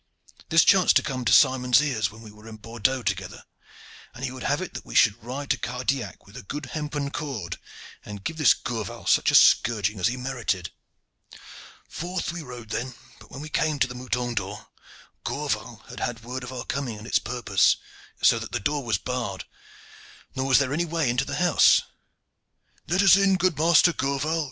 This chanced to come to Simon's ears when we were at Bordeaux together, and he would have it that we should ride to Cardillac with a good hempen cord, and give this Gourval such a scourging as he merited. Forth we rode then, but when we came to the 'Mouton d'Or,' Gourval had had word of our coming and its purpose, so that the door was barred, nor was there any way into the house. 'Let us in, good Master Gourval!'